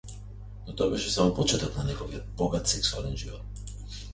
Но тоа беше само почеток на неговиот богат сексуален живот.